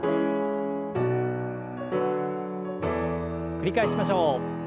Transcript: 繰り返しましょう。